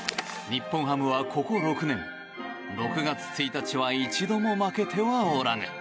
日本ハムはここ６年６月１日は一度も負けてはおらぬ。